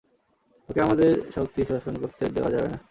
ওকে আমাদের শক্তি শোষণ করতে দেওয়া যাবে না।